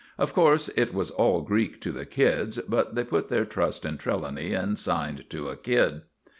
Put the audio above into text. Of course, it was all Greek to the kids, but they put their trust in Trelawny and signed to a kid.